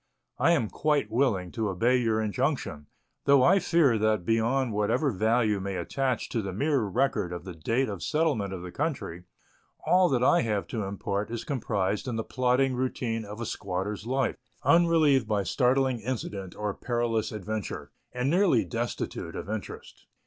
I am qmte willing to obey your injunction, though I fear that beyond what ever value may attach to the mere record of the date of settlement of the country, all that I have to impart is comprised in the plodding routine of a squatter's life, unrelieved by startling 230 Letters from Victorian Pioiieers. incident or perilous adventure, and nearly destitute of interest.